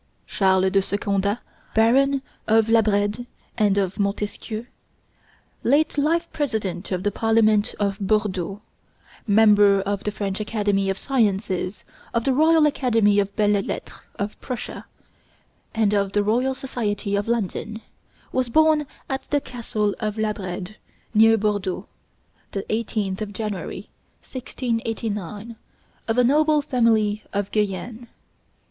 Charles de Secondat, baron of La Brède and of Montesquieu, late life President of the Parliament of Bordeaux, member of the French Academy of Sciences, of the Royal Academy and Belles Lettres of Prussia, and of the Royal Society of London, was born at the castle of La Brède, near Bordeaux, the 18th of January, 1689, of a noble family of Guyenne.